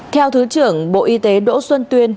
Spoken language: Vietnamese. theo thứ trưởng bộ y tế đỗ xuân tuyên